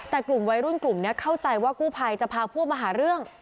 แต่กลุ่มวัยรุ่นกลุ่มนี้เข้าใจว่ากู้ภัยจะพาพวกมาหาเรื่อง